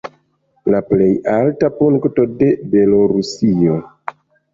La plej alta punkto de Belorusio.